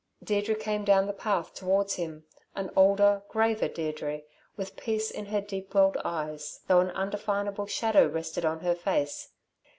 Deirdre came down the path towards him, an older, graver Deirdre, with peace in her deep welled eyes, though an undefinable shadow rested on her face.